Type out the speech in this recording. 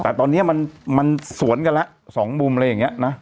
แต่ตอนเนี้ยมันมันสวนกันละสองมุมอะไรอย่างเงี้ยนะ